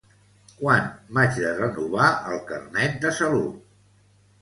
Quan m'haig de renovar el Carnet de salut?